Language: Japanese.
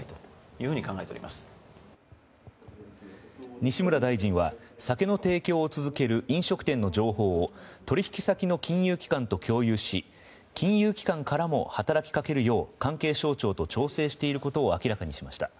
西村大臣は酒の提供を続ける飲食店の情報を取引先の金融機関と共有し金融機関からも働きかけるよう関係省庁と調整していることを明らかにしました。